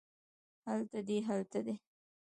هلته دی هلته دي